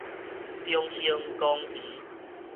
中興公園